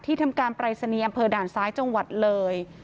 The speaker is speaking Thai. ที่ทำการปรายเสนียมเผอด่านซ้ายจังหวัดเลย